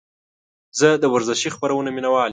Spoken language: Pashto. زه د ورزشي خپرونو مینهوال یم.